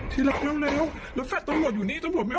ที่รักเลี้ยวเลี้ยวแล้วแฟต์ต้องหมดอยู่นี่ต้องหมดไม่